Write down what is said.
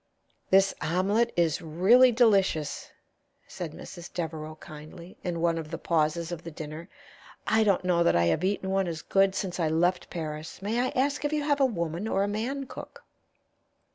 "This omelet is really delicious," said Mrs. Devereaux, kindly, in one of the pauses of the dinner. "I don't know that I have eaten one as good since I left Paris. May I ask if you have a woman or a man cook?"